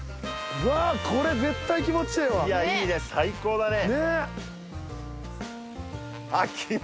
うわこれ絶対気持ちええわいやいいね最高だねねっあっ！